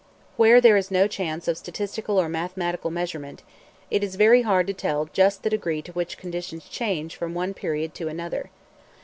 Where there is no chance of statistical or mathematical measurement, it is very hard to tell just the degree to which conditions change from one period to another.